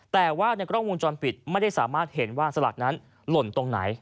แต่ว่าในกล้องวงจรปิดไม่ได้สามารถเห็นว่าสลักนั้นหล่นตรงไหน